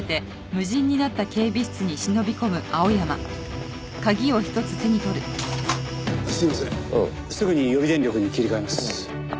すぐに予備電力に切り替えます。